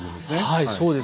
はいそうです。